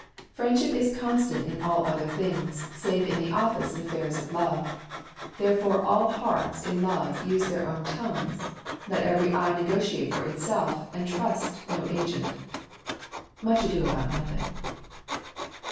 "Friendship is constant in all other things Save in the office and affairs of love: Therefore all hearts in love use their own tongues; Let every eye negotiate for itself, And trust no agent." Much Ado about Nothing.